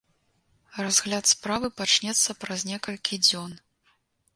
Разгляд справы пачнецца праз некалькі дзён.